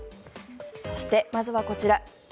そして、まずはこちら。